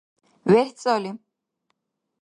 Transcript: верхӀцӀали